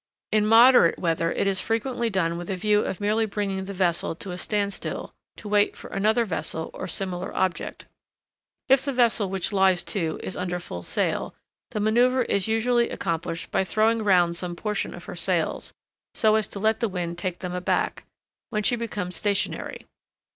In moderate weather it is frequently done with a view of merely bringing the vessel to a stand still, to wait for another vessel or any similar object. If the vessel which lies to is under full sail, the manoeuvre is usually accomplished by throwing round some portion of her sails, so as to let the wind take them aback, when she becomes stationary.